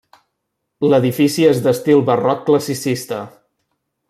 L'edifici és d'estil barroc classicista.